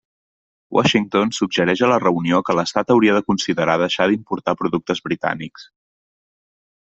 Washington suggereix a la reunió que l'Estat hauria de considerar deixar d'importar productes britànics.